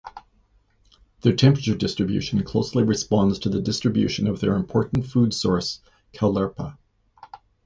Their temperate distribution closely corresponds to the distribution of their important food source "Caulerpa".